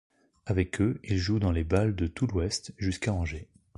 Avec eux il joue dans les bals de tous l'Ouest, jusqu'à Angers.